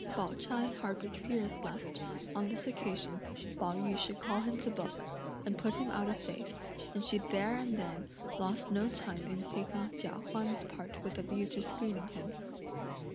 Pao ch'ai harboured fears lest, on this occasion, Pao yü should call him to book, and put him out of face, and she there and then lost no time in taking Chia Huan's part with a view to screening him.